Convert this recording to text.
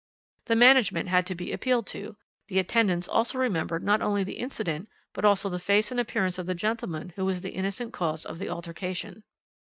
The management had to be appealed to; the attendants also remembered not only the incident, but also the face and appearance of the gentleman who was the innocent cause of the altercation.